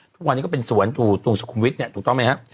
ทุกวันนี้ก็เป็นสวนตรงสุขุมวิทย์เนี่ยถูกต้องไหมครับ